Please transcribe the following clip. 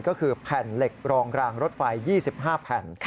ก็คือแผ่นเหล็กรองรางรถไฟ๒๕แผ่น